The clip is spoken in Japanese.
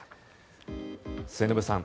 末延さん